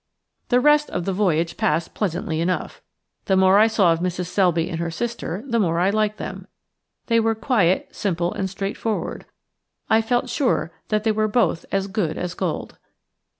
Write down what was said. The rest of the voyage passed pleasantly enough. The more I saw of Mrs. Selby and her sister the more I liked them. They were quiet, simple, and straightforward. I felt sure that they were both as good as gold.